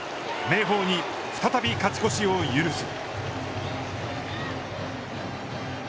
明豊に再び勝ち越しを許す。